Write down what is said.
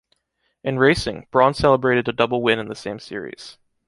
In racing, Brawn celebrated a double win in the same series.